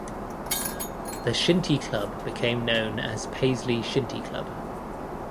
The shinty club became known as Paisley Shinty Club.